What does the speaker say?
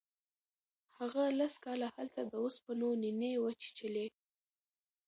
هغه لس کاله هلته د اوسپنو نینې وچیچلې.